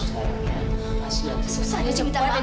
susah ya cepetan